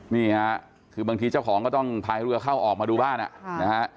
นี่ค่ะคือบางทีเจ้าของก็ต้องพายเรือเข้าออกมาดูบ้านนะฮะ